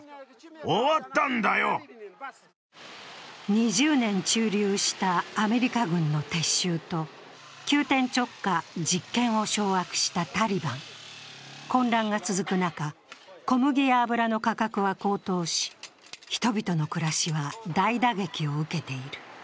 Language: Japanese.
２０年駐留したアメリカ軍の撤収と急転直下、実権を掌握したタリバン混乱が続く中、小麦や油の価格は高騰し人々の暮らしは大打撃を受けている。